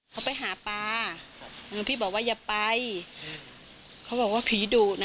เขาไปหาปลาครับเออพี่บอกว่าอย่าไปเขาบอกว่าผีดุนะ